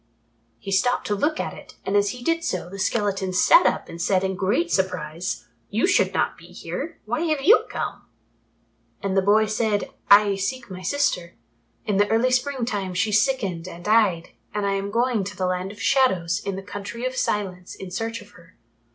He stopped to look at it, and as he did so, the skeleton sat up and said in great surprise, "You should not be here. Why have you come?" And the boy said, "I seek my sister. In the early spring time she sickened and died, and I am going to the Land of Shadows in the Country of Silence in search of her."